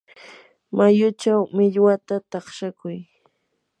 mayuchaw millwata takshakuy.